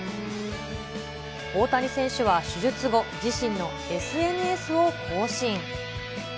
大谷選手は手術後、自身のＳＮＳを更新。